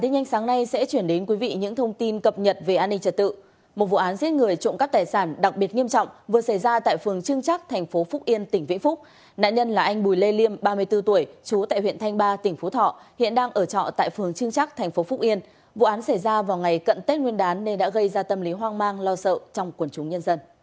hãy đăng ký kênh để ủng hộ kênh của chúng mình nhé